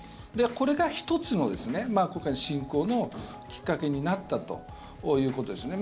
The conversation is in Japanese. これが１つの今回の侵攻のきっかけになったということですよね。